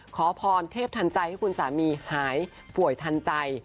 ขอพรเทพทันใจให้คุณสามีหายป่วยทันใจ